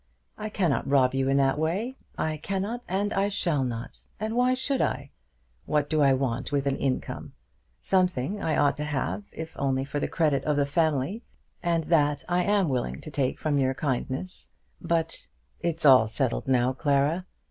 I cannot rob you in that way. I cannot and I shall not. And why should I? What do I want with an income? Something I ought to have, if only for the credit of the family, and that I am willing to take from your kindness; but " "It's all settled now, Clara."